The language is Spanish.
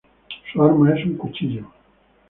Su arma es un cuchillo.